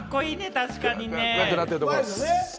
確かにね。